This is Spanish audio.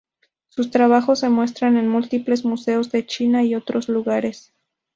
Sus trabajos se muestran en múltiples museos de China y otros lugares.